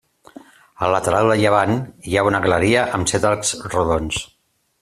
Al lateral de llevant, hi ha una galeria amb set arcs rodons.